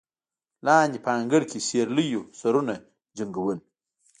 لاندې په انګړ کې سېرليو سرونه جنګول.